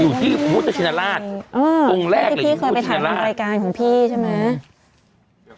อยู่ที่มุฒิชนราชวงแรกล่ะที่พี่เคยไปถามทางรายการของพี่ใช่ไหม